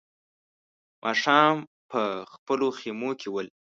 ماښام په خپلو خيمو کې ول.